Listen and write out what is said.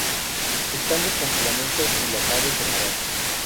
Estambres con filamentos dilatados en la base.